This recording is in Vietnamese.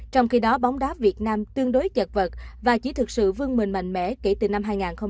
trong khi đó bóng đá việt nam tương đối chật vật và chỉ thực sự vương mình mạnh mẽ kể từ năm hai nghìn một mươi